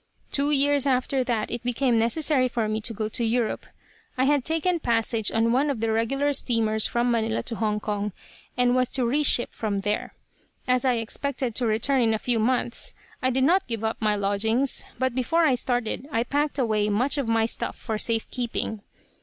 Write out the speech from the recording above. "Two years after that it became necessary for me to go to Europe. I had taken passage on one of the regular steamers from Manila to Hong Kong, and was to reship from there. As I expected to return in a few months, I did not give up my lodgings, but before I started I packed away much of my stuff for safe keeping.